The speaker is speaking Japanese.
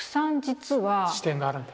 視点があるんだ。